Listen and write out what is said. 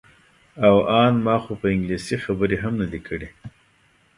او ان ما خو په انګلیسي خبرې هم نه دي کړې.